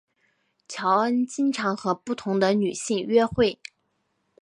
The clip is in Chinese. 乔恩经常和不同的女性约会。